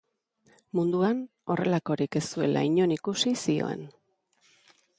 Munduan horrelakorik ez zuela inon ikusi zioen.